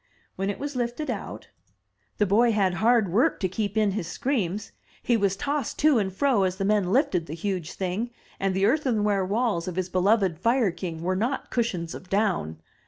When it was lifted out, the boy had hard 299 MY BOOK HOUSE work to keep in his screams; he was tossed to and fro as the men lifted the huge thing, and the earthenware walls of his beloved fire king were not cushions of down.